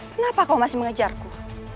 kenapa kau masih mengejarku